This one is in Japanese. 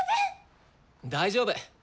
大丈夫。